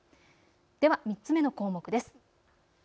では３つ目の項目です。